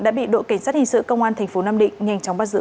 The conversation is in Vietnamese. đã bị đội cảnh sát hình sự công an tp nam định nhanh chóng bắt giữ